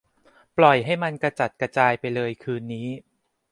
ปล่อยมันให้กระจัดกระจายไปเลยคืนนี้